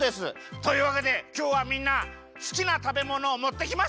というわけできょうはみんなすきなたべものをもってきましたね？